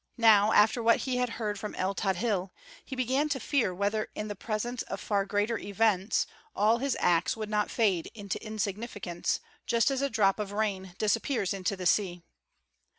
Now, after what he had heard from el Tadhil, he began to fear whether in the presence of far greater events, all his acts would not fade into insignificance, just as a drop of rain disappears in the sea.